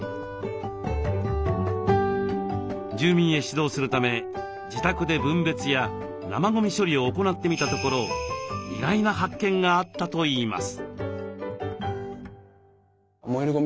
住民へ指導するため自宅で分別や生ゴミ処理を行ってみたところ意外な発見があったといいます。